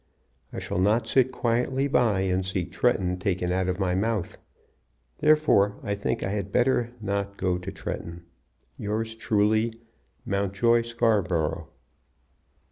I shall not sit quietly by and see Tretton taken out of my mouth. Therefore I think I had better not go to Tretton. "Yours truly, "MOUNTJOY SCARBOROUGH."